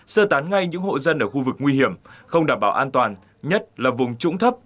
sơ tán ngay những hộ dân ở khu vực nguy hiểm không đảm bảo an toàn nhất là vùng trũng thấp